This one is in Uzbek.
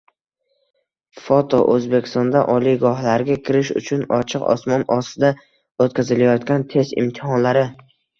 Foto: O‘zbekistonda oliygohlarga kirish uchun ochiq osmon ostida o‘tkazilayotgan test imtihonlari